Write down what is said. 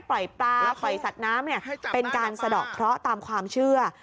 ปล่อยปลาปล่อยสัตว์น้ำเป็นการสะดอกเคราะห์ตามความเชื่อ